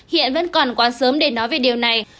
hiện vẫn còn quá sớm để nói về điều này